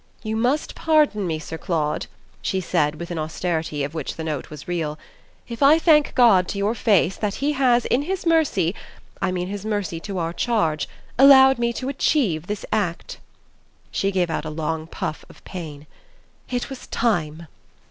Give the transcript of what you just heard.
"You must pardon me, Sir Claude," she said with an austerity of which the note was real, "if I thank God to your face that he has in his mercy I mean his mercy to our charge allowed me to achieve this act." She gave out a long puff of pain. "It was time!"